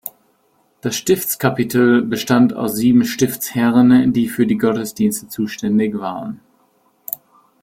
Das Stiftskapitel bestand aus sieben Stiftsherren, die für die Gottesdienste zuständig waren.